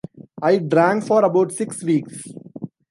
I drank for about six weeks.